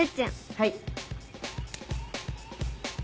はい。